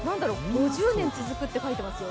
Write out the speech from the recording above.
５０年続くって書いてありますよ。